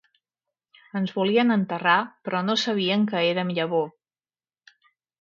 Ens volien enterrar, però no sabien que érem llavor